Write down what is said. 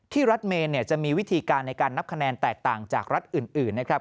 รัฐเมนจะมีวิธีการในการนับคะแนนแตกต่างจากรัฐอื่นนะครับ